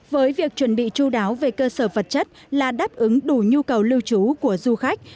với việc chuẩn bị chú đáo về cơ sở vật chất là đáp ứng đủ nhu cầu lưu trú của du khách